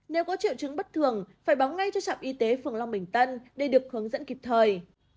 nếu có triệu chứng bất thường phải báo ngay cho trạm y tế phường long bình tân để được hướng dẫn kịp thời